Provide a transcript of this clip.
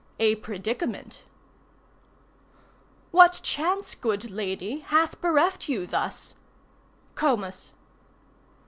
A PREDICAMENT What chance, good lady, hath bereft you thus?—COMUS.